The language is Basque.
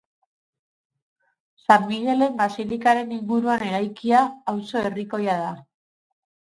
San Migelen basilikaren inguruan eraikia, auzo herrikoia da.